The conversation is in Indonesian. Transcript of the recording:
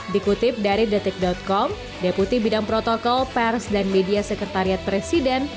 dikutip dari detik com deputi bidang protokol pers dan media sekretariat presiden